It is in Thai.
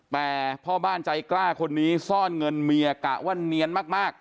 แต่พ่อบ้านใจกล้าคนนี้ซ่อนเงินเมียกะว่าเนียนมาก